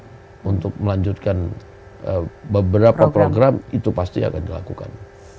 untuk melanjutkan beberapa program itu pasti akan dilakukan